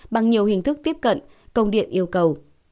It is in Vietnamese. bằng nhiều hình thức tiếp cận công điện yêu cầu